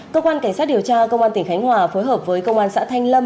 cơ quan cảnh sát điều tra công an tỉnh khánh hòa phối hợp với công an xã thanh lâm